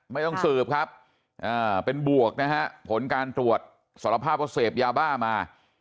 ไม่ต้องสืบครับเป็นบวกนะฮะผลการตรวจสารภาพว่าเสพยาบ้ามา